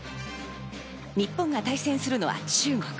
日本が対戦するのは中国。